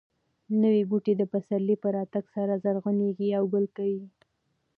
نوي بوټي د پسرلي په راتګ سره زرغونېږي او ګل کوي.